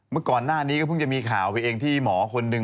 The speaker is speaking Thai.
เมื่อก่อนหน้านี้ก็เพิ่งจะมีข่าวไปเองที่หมอคนหนึ่ง